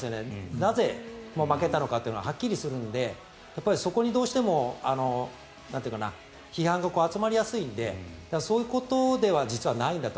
なぜ、負けたのかっていうのがはっきりするのでそこに、どうしても批判が集まりやすいのでそういうことでは実はないんだと。